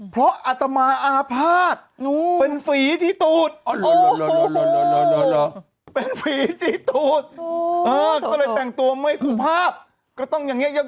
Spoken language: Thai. เพราะอาตมาอภาษณ์โหนปนฝีที่ตูดโหนโหนโหนแล้วก็ต้องอย่างงี้